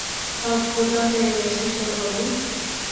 সব ভোঁতা হয়ে গেছে ছোটবাবু।